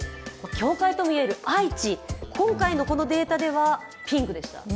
境界ともいえる愛知今回のデータではピンクでした。